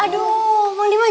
aduh emang dimana